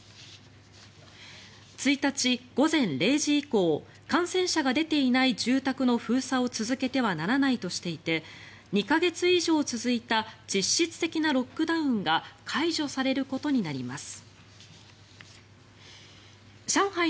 １日午前０時以降感染者が出ていない住宅の封鎖を続けてはならないとしていて２か月以上続いた実質的なロックダウンが解除されることになります。